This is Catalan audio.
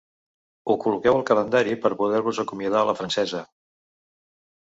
Ho col·loqueu al calendari per poder-vos acomiadar a la francesa.